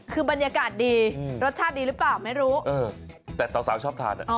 คือบรรยากาศดีรสชาติดีหรือเปล่าไม่รู้เออแต่สาวชอบทานอ่ะ